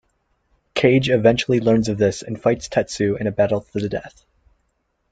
Kage eventually learns of this and fights Tetsu in a battle to the death.